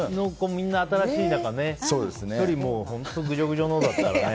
みんな新しい中１人、ぐじょぐじょのだったらね。